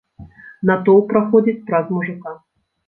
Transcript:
Натоўп праходзіць праз мужыка.